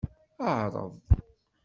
Ɛreḍ.